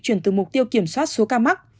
chuyển từ mục tiêu kiểm soát số ca mắc